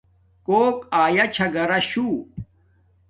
کوک آیا چھا گھراشُو